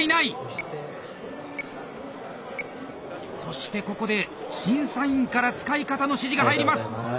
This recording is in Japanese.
そしてここで審査員から使い方の指示が入ります。